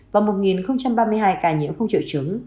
và một ba mươi hai ca nhiễm không trự trứng